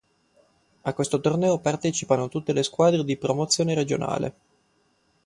A questo torneo partecipano tutte le squadre di Promozione regionale.